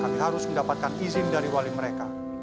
tapi harus mendapatkan izin dari wali mereka